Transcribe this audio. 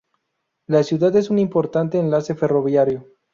La ciudad es un importante enlace ferroviario.